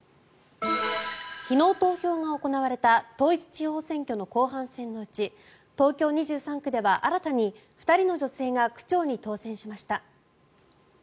昨日、投票が行われた統一地方選挙の後半戦のうち東京２３区では新たに２人の女性が区長に当選しました。